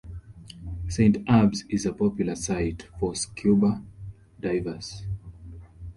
Saint Abbs is a popular site for scuba divers.